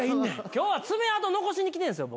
今日は爪痕残しに来てんすよ